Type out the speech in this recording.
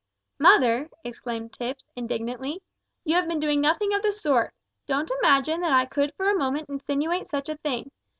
"Mother," exclaimed Tipps, indignantly, "you have been doing nothing of the sort. Don't imagine that I could for a moment insinuate such a thing.